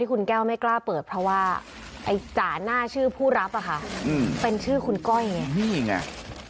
คุณแก้วไม่กล้าเปิดเพราะว่าไอ้จ่าหน้าชื่อผู้รับอะค่ะเป็นชื่อคุณก้อยไงนี่ไง